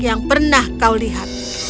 yang pernah kau lihat